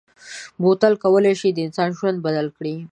بوتل کولای شي د انسان ژوند بدل کړي.